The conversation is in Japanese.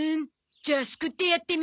じゃあすくってやってみる。